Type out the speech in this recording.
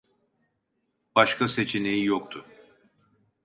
Başka seçeneği yoktu.